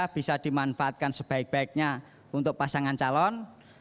bisa dimanfaatkan sebaik baiknya untuk pasangan calon